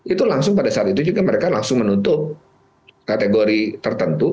itu langsung pada saat itu juga mereka langsung menutup kategori tertentu